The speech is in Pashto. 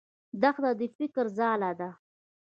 دښته د فکرو ځاله ده.